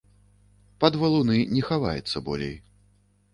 Пад валуны не хаваецца болей.